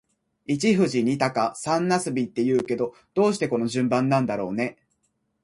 一富士、二鷹、三茄子って言うけど、どうしてこの順番なんだろうね。